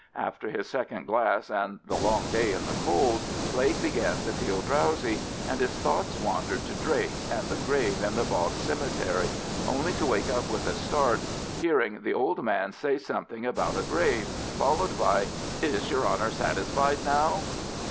After his second glass and the long day in the cold, Blake began to feel drowsy, and his thoughts wandered to Drake and the grave in the bog cemetery, only to wake up with a start, hearing the old man say something about a grave, followed by, "Is yer honour satisfied now?"